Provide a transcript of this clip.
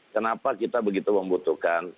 kenapa kita begitu membutuhkan